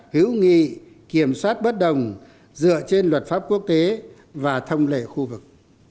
hữu nghị kiểm soát bất đồng dựa trên luật pháp quốc tế và thông lệ khu vực